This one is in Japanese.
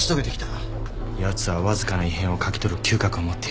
やつはわずかな異変を嗅ぎ取る嗅覚を持っている。